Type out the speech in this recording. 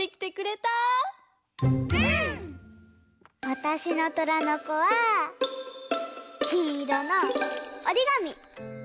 わたしの「虎の子」はきんいろのおりがみ！